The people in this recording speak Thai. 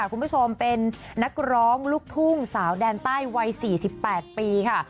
คุณผู้ชมเป็นนักร้องลูกทุ่งสาวแดนใต้วัย๔๘ปีค่ะ